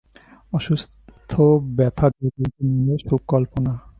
অসুস্থ ব্যথা জর্জরিত মনের সুখ-কল্পনা।